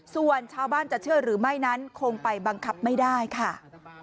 ส่วนชาวบ้านจะเชื่อหรือไม่นั้นคงไปบังคับไม่ได้ค่ะ